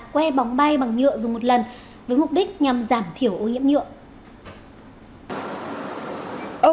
que bóng bay bằng nhựa dùng một lần với mục đích nhằm giảm thiểu ô nhiễm nhựa